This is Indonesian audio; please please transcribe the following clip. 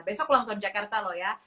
besok ulang tahun jakarta loh ya